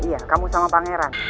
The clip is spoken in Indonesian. iya kamu sama pangeran